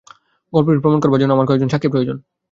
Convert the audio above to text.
গল্পটি প্রমাণ করার জন্য আমার কয়েকজন সাক্ষী প্রয়োজন।